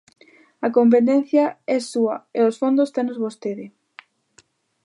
A competencia é súa e os fondos tenos vostede.